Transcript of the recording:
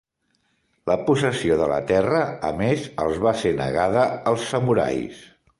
La possessió de la terra a més, els va ser negada als samurais.